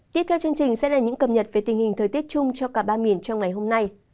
tiếp theo chương trình sẽ là những cập nhật về tình hình thời tiết chung cho cả ba miền trong ngày hôm nay